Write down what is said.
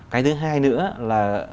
cái thứ hai nữa là